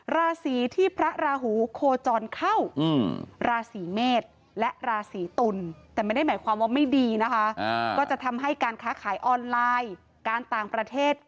ราศีที่พระราหูโคจรเข้าราศีเมษและราศีตุลแต่ไม่ได้หมายความว่าไม่ดีนะคะก็จะทำให้การค้าขายออนไลน์การต่างประเทศ